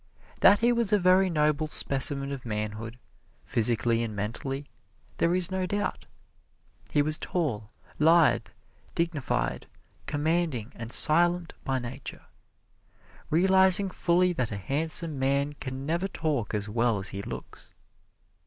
That he was a very noble specimen of manhood physically and mentally there is no doubt. He was tall, lithe, dignified, commanding and silent by nature, realizing fully that a handsome man can never talk as well as he looks.